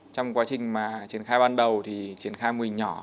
trong quá trình mà triển khai ban đầu thì triển khai mùi nhỏ